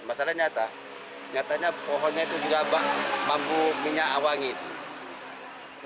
masalah nyata nyatanya pohonnya itu juga mampu minyak awan itu